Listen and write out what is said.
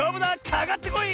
かかってこい！